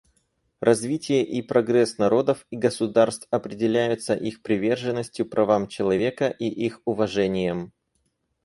Развитие и прогресс народов и государств определяются их приверженностью правам человека и их уважением.